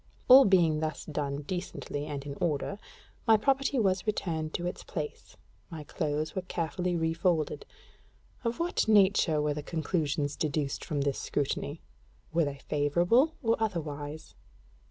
All being thus done decently and in order, my property was returned to its place, my clothes were carefully refolded. Of what nature were the conclusions deduced from this scrutiny? Were they favorable or otherwise?